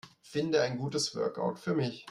Finde ein gutes Workout für mich.